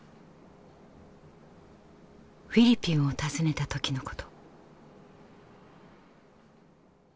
フィリピンを訪ねた時のこと。